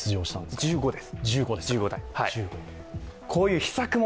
１５です。